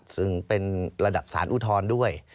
ซึ่งเป็นระดับสารอุทธรณ์ด้วย